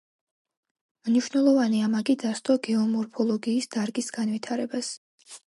მნიშვნელოვანი ამაგი დასდო გეომორფოლოგიის დარგის განვითარებას.